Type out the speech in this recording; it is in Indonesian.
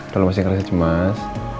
kalau masih ngerasa cemas